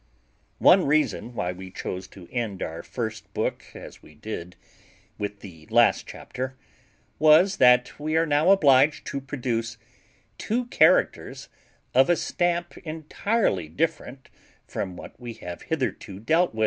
One reason why we chose to end our first book, as we did, with the last chapter, was, that we are now obliged to produce two characters of a stamp entirely different from what we have hitherto dealt in.